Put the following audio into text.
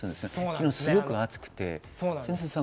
昨日すごく暑くて。